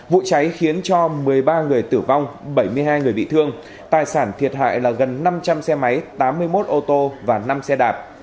vụ cháy khiến cho một mươi ba người tử vong bảy mươi hai người bị thương tài sản thiệt hại là gần năm trăm linh xe máy tám mươi một ô tô và năm xe đạp